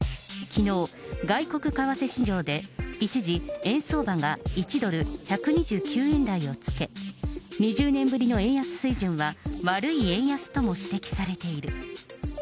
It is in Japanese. きのう、外国為替市場で一時、円相場が１ドル１２９円台をつけ、２０年ぶりの円安水準は、悪い円安とも指摘されている。